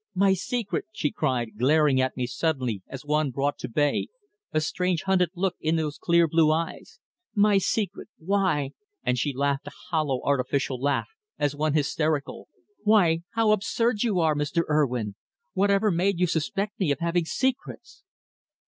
"My secret!" she cried, glaring at me suddenly as one brought to bay, a strange, hunted look in those clear blue eyes. "My secret! Why" and she laughed a hollow, artificial laugh, as one hysterical "why, how absurd you are, Mr. Urwin! Whatever made you suspect me of having secrets?"